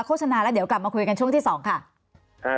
โฆษณาแล้วเดี๋ยวกลับมาคุยกันช่วงที่๒ค่ะ